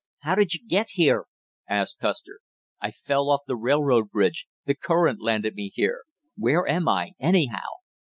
"How did you get here?" asked Custer. "I fell off the railroad bridge, the current landed me here; where am I, anyhow?"